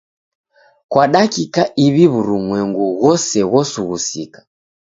Kwa dakika iw'I w'urumwengu ghose ghosughusika.